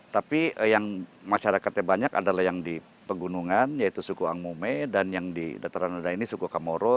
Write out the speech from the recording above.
tapi yang masyarakatnya banyak adalah yang di pegunungan yaitu suku angmume dan yang di dataran rendah ini suku kamoro